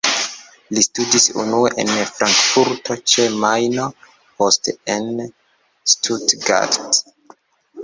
Li studis unue en Frankfurto ĉe Majno, poste en Stuttgart.